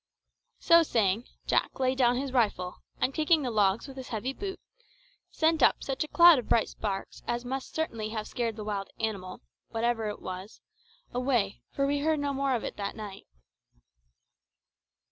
So saying, Jack laid down his rifle, and kicking the logs with his heavy boot, sent up such a cloud of bright sparks as must certainly have scared the wild animal, whatever it was, away; for we heard no more of it that night.